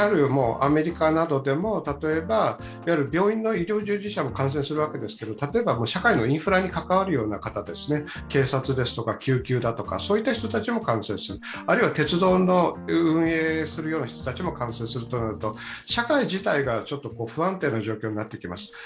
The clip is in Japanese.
アメリカなどでも、例えば病院の医療従事者も感染するわけですけれども、例えば社会のインフラに関わるような方、警察や救急だとか、そういった人たちも感染する、あるいは鉄道を運営する人たちも感染するとなると社会自体が不安定な状況になってきます。